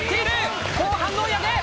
後半の追い上げ！